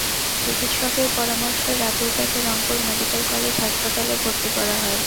চিকিৎসকের পরামর্শে রাতেই তাঁকে রংপুর মেডিকেল কলেজ হাসপাতালে ভর্তি করা হয়।